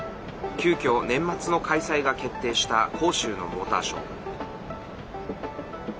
急きょ、年末の開催が決定した広州のモーターショー。